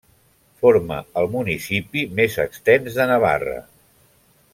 Forma el municipi més extens de Navarra.